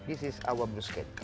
ini adalah bruschetta kami